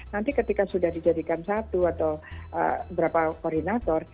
nanti ketika sudah dijadikan satu atau berapa koordinator